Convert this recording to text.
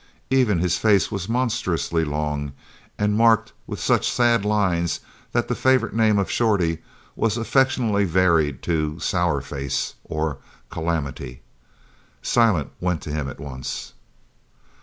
Even his face was monstrously long, and marked with such sad lines that the favourite name of "Shorty" was affectionately varied to "Sour face" or "Calamity." Silent went to him at once.